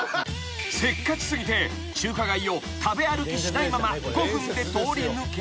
［せっかち過ぎて中華街を食べ歩きしないまま５分で通り抜け。